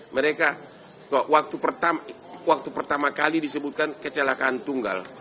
mereka waktu pertama kali disebutkan kecelakaan tunggal